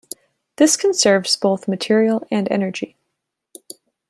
This conserves both material and energy.